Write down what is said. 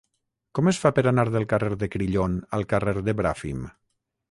Com es fa per anar del carrer de Crillon al carrer de Bràfim?